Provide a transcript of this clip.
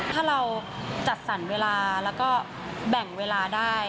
ถ้าเราจัดสรรเวลาแล้วก็แบ่งเวลาได้